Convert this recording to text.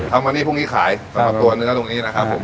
เอามานี่พวกนี้ขายสำหรับตัวเนื้อตรงนี้นะครับผม